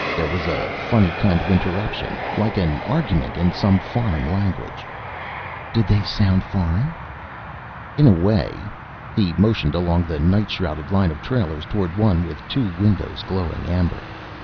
There was a funny kind of interruption like an argument in some foreign language." "Did they sound foreign?" "In a way." He motioned along the night shrouded line of trailers toward one with two windows glowing amber.